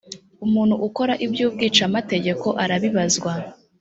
umuntu ukora iby’ubwicamategeko arabibazwa